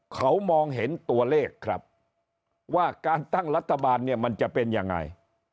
เขามองเห็นตัวเลขครับว่าการตั้งรัฐบาลเนี่ยมันจะเป็นยังไง